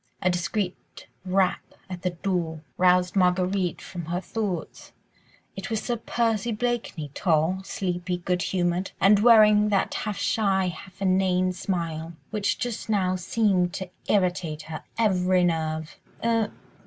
A discreet rap at the door roused Marguerite from her thoughts. It was Sir Percy Blakeney, tall, sleepy, good humoured, and wearing that half shy, half inane smile, which just now seemed to irritate her every nerve. "Er